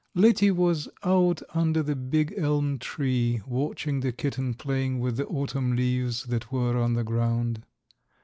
Letty was out under the big elm tree watching the kitten playing with the autumn leaves that were on the ground.